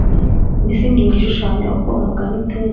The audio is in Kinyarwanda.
mbese ingingo ishushanya uko umugani uteye